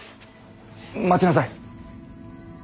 待ちなさい。